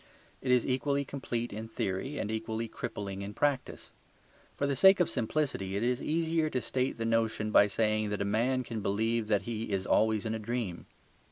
It is equally complete in theory and equally crippling in practice. For the sake of simplicity, it is easier to state the notion by saying that a man can believe that he is always in a dream.